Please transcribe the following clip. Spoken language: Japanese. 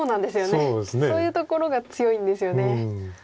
そういうところが強いんですよね。